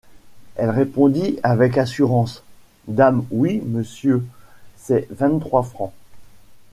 Elle répondit avec assurance: — Dame oui, monsieur! c’est vingt-trois francs.